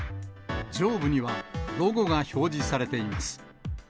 上部には、ロゴが表示されています。